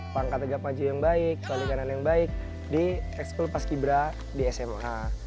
langkah tegap maju yang baik balikanan yang baik di ekskul paskibra di sma